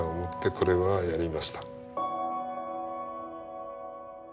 これはやりました。